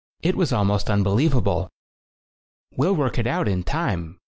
It was almost unbelievable. "We'll work it out in time.